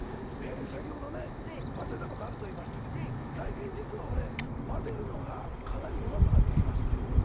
先ほどね、混ぜたことあると言いましたけども、最近、実は俺、混ぜるのがかなりうまくなってきまして。